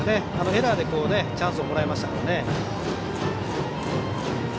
エラーでチャンスをもらいましたので。